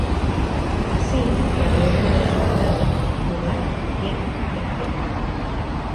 Así, la norma de las unidades, lugar, tiempo y acción.